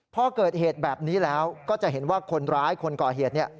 พอเกิดเหตุแบบนี้แล้วก็จะเห็นว่าคนร้ายคนก่อเหตุ